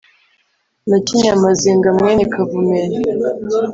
Na Kinyamazinga mwene kavumenti